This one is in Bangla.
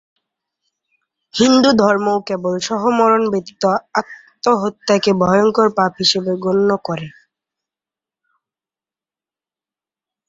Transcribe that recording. হিন্দুধর্মও কেবল সহমরণ ব্যতীত আত্মহত্যাকে ভয়ঙ্কর পাপ হিসেবে গণ্য করে।